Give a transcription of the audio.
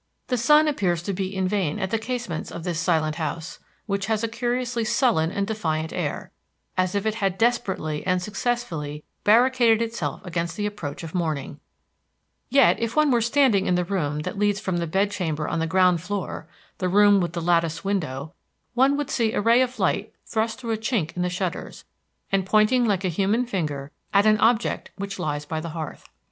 The sun appears to beat in vain at the casements of this silent house, which has a curiously sullen and defiant air, as if it had desperately and successfully barricaded itself against the approach of morning; yet if one were standing in the room that leads from the bed chamber on the ground floor the room with the latticed window one would see a ray of light thrust through a chink of the shutters, and pointing like a human finger at an object which lies by the hearth.